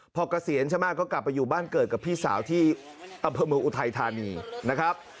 พอเกษียณใช่ไหมก็กลับไปอยู่บ้านเกิดกับพี่สาวที่อำเภอเมืองอุทัยธานีนะครับ